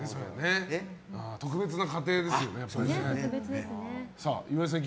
特別な家庭ですよね。